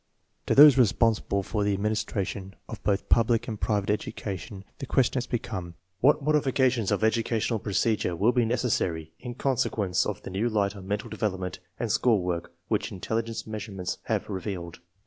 To those responsible for the administration of both public and private education the question has become, What modifications of educational procedure will be neces sary in consequence of the new light on mental devel opment and school work which intelligence measure ments have revealed?